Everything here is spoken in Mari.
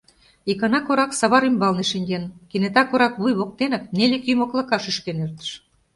Икана корак савар ӱмбалне шинчен, кенета корак вуй воктенак неле кӱ моклака шӱшкен эртыш.